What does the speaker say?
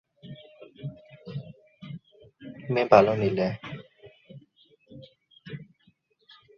He did postgraduate study at University of Illinois at Urbana-Champaign.